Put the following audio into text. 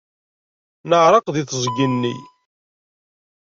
Neɛreq deg teẓgi-nni.